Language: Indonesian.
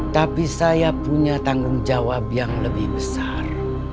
tapi saya punya tanggung jawab yang lebih besar